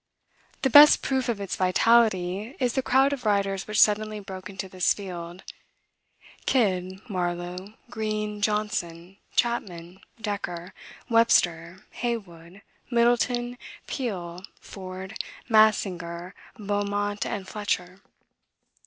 The best proof of its vitality is the crowd of writers which suddenly broke into this field; Kyd, Marlow, Greene, Jonson, Chapman, Dekker, Webster, Heywood, Middleton, Peele, Ford, Massinger, Beaumont, and Fletcher.